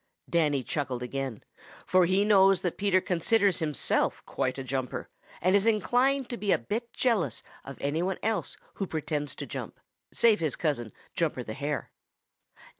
Danny chuckled again, for he knows that Peter considers himself quite a jumper and is inclined to be a bit jealous of any one else who pretends to jump save his cousin, Jumper the Hare.